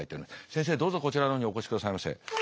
先生どうぞこちらの方にお越しくださいませ。